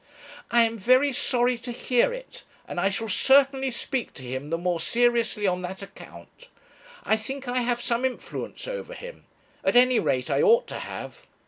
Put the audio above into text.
'I am very sorry to hear it, and I shall certainly speak to him the more seriously on that account. I think I have some influence over him; at any rate I ought to have.'